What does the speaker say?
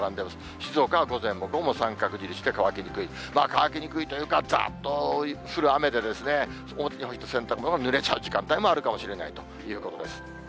静岡は午前も午後も三角印で、乾きにくい、乾きにくいというか、ざーっと降る雨で、表に置いた洗濯物がぬれちゃう時間帯もあるかもしれないということです。